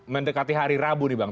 mendekati hari rabu nih bang